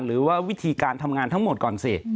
หรือว่าวิธีการทำงานทั้งหมดก่อนสิ